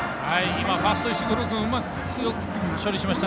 ファーストの石黒君がよく処理しました。